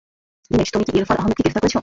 দীনেশ তুমি কি ইরফান আহমেদকে গ্রেফতার করেছ?